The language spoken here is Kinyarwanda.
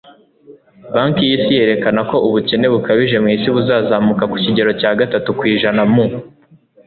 banki y'isi yerekana ko ubukene bukabije mu isi buzazamuka ku kigero cya gatatu kw'ijana mu